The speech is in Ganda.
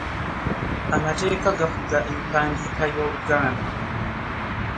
Amateeka gafuga empandiika y'oluganda .